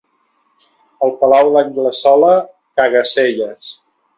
Al Palau d'Anglesola, caga-selles.